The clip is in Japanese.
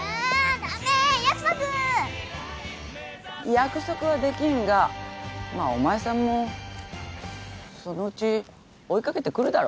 約束はできんがまあお前さんもそのうち追い掛けてくるだろ。